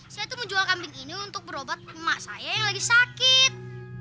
saya tuh menjual kambing ini untuk berobat emak saya yang lagi sakit